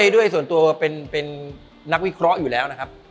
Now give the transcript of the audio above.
ด้วยส่วนตัวเป็นนักวิเคราะห์อยู่แล้วนะครับ